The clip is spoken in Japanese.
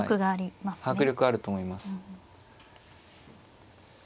迫力あると思います。